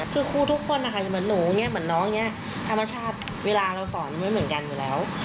คือคู่ทุกคนนะคะอย่างเหมือนหนูเหมือนน้องธรรมชาติเวลาเราสอนไม่เหมือนกันอยู่แล้ว